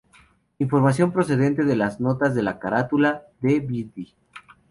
Información procedente de las notas de la carátula de "Birdy".